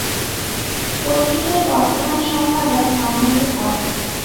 পত্রিকার বর্তমান সম্পাদক মামুনুল হক।